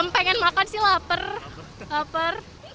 pengen makan sih lapar